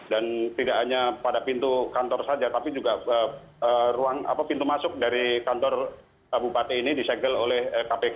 dan tidak hanya pada pintu kantor saja tapi juga ruang pintu masuk dari kantor bupati ini disegel oleh kpk